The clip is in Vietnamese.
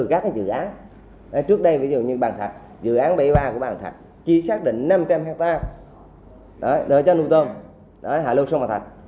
các dự án trước đây ví dụ như bàn thạch dự án bảy mươi ba của bàn thạch chỉ xác định năm trăm linh hectare đợi cho nuôi tôm hạ lưu sông bàn thạch